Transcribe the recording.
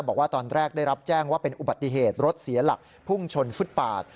บอกว่าตอนแรกได้รับแจ้งว่าเป็นอุบัติเหตุรถเสียหลักพุ่งชนฟุตปาด